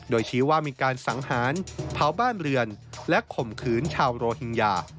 โดยชี้ว่ามีการสังหารเผาบ้านเรือนและข่มขืนชาวโรฮิงญา